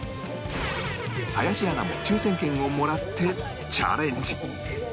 林アナも抽選券をもらってチャレンジ